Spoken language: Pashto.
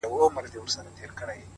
• د خدای دوستان تېر سوي ,